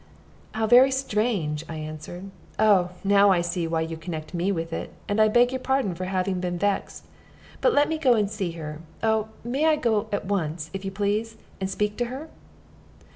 "How very strange!" I answered. "Oh, now I see why you connect me with it; and I beg your pardon for having been vexed. But let me go and see her. Oh, may I go at once, if you please, and speak to her?"